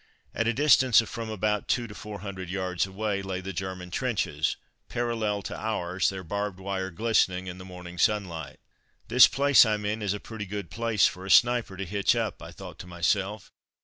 At a distance of from about two to four hundred yards away lay the German trenches, parallel to ours, their barbed wire glistening in the morning sunlight. "This place I'm in is a pretty good place for a sniper to hitch up," I thought to myself.